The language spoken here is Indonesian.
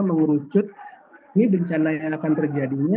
mengurucut ini rencana yang akan terjadinya